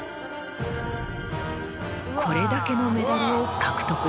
これだけのメダルを獲得している。